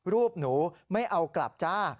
รูปหนูไม่เอากลับจ้า